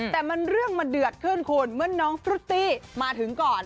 แต่มันเรื่องมันเดือดขึ้นคุณเมื่อน้องฟรุตตี้มาถึงก่อน